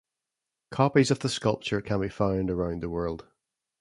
Copies of the sculpture can be found around the world.